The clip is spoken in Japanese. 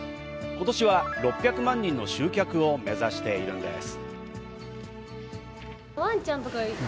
今年は６００万人の集客を目指しているんです。